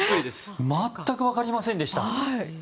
全くわかりませんでした。